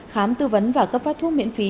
khám tư vấn và cấp phát thu miễn phí